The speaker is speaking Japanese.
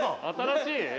新しい？